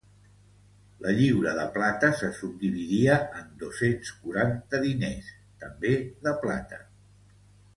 La lliura de plata se subdividia en dos-cents quaranta diners, també de plata.